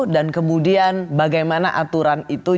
dan kemudian bagaimana aturan itu